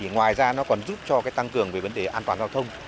ngoài ra nó còn giúp cho tăng cường về vấn đề an toàn giao thông